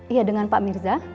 iya dengan pak mirza